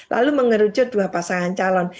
lalu mengerucut dua pasangan calon